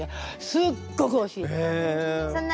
すっごくおいしいの！